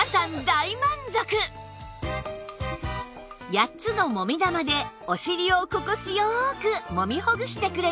８つのもみ玉でお尻を心地良くもみほぐしてくれる